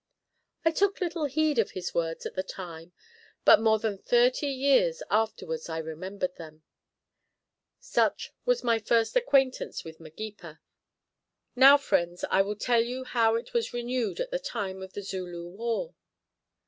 I took little heed of his words at the time, but more than thirty years afterwards I remembered them. Such was my first acquaintance with Magepa. Now, friends, I will tell you how it was renewed at the time of the Zulu war.